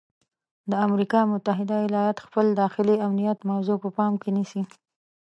د امریکا متحده ایالات خپل داخلي امنیت موضوع په پام کې نیسي.